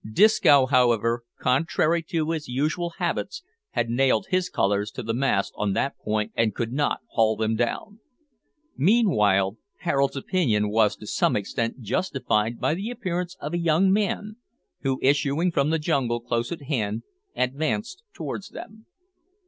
Disco however, contrary to his usual habits, had nailed his colours to the mast on that point and could not haul them down. Meanwhile Harold's opinion was to some extent justified by the appearance of a young man, who, issuing from the jungle close at hand, advanced towards them.